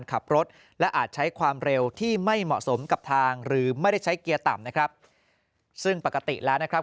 ขับรถและอาจใช้ความเร็วที่ไม่เหมาะสมกับทางหรือไม่ได้ใช้เกียร์ต่ำนะครับซึ่งปกติแล้วนะครับ